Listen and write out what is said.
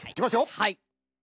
はい。